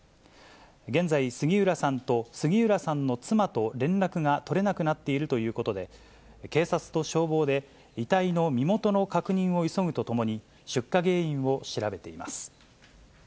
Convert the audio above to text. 現在、杉浦さんと杉浦さんの妻と連絡が取れなくなっているということで、警察と消防で遺体の身元の確認を急ぐとともに、出火原因を調べています。